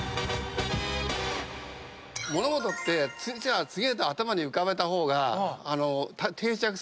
物事って次から次へと頭に浮かべた方が定着するから。